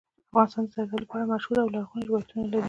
افغانستان د زردالو په اړه مشهور او لرغوني روایتونه لري.